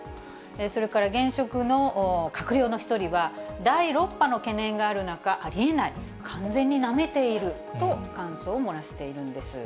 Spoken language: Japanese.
それから現職の閣僚の一人は、第６波の懸念がある中、ありえない、完全になめていると感想を漏らしているんです。